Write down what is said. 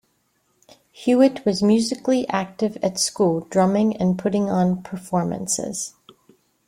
Hewitt was musically active at school, drumming and putting on performances.